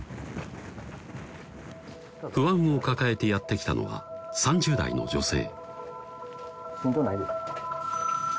不安を抱えてやって来たのは３０代の女性しんどないですか？